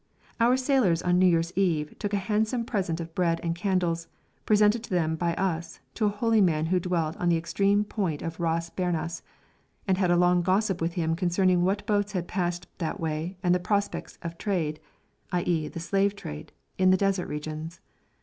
Our sailors on New Year's Eve took a handsome present of bread and candles, presented to them by us, to a holy man who dwelt on the extreme point of Ras Bernas, and had a long gossip with him concerning what boats had passed that way and the prospects of trade i.e. the slave trade in these desert regions.